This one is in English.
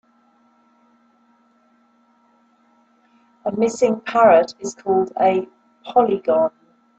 A missing parrot is called a polygon.